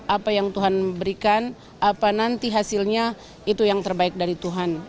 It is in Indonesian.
apa yang tuhan berikan apa nanti hasilnya itu yang terbaik dari tuhan